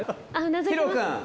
ヒロくん！